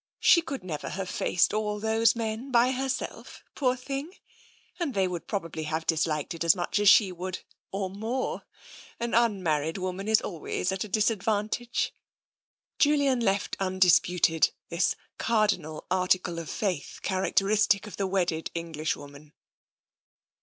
She could never have faced all those men by herself, poor thing, and they would probably have disliked it as much as she would, or more. An tm married woman is always at a disadvantage." TENSION 91 Julian left undisputed this cardinal article of faith characteristic of the wedded Englishwoman.